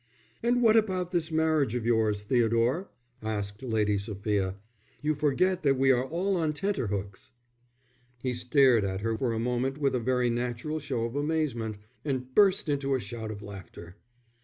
"And what about this marriage of yours, Theodore?" asked Lady Sophia. "You forget that we are all on tenterhooks." He stared at her for a moment with a very natural show of amazement, and burst into a shout of laughter.